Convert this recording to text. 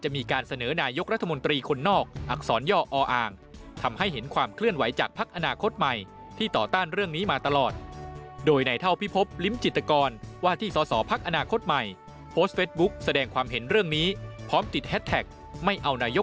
โปรดติดตามต่อไป